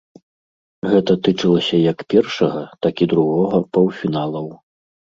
Гэта тычылася як першага, так і другога паўфіналаў.